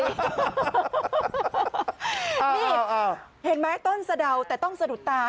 นี่เห็นไหมต้นสะเดาแต่ต้องสะดุดตา